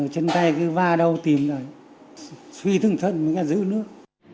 chân tay cứ va đau tìm suy thương thân giữ nước